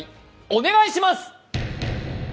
お願いします！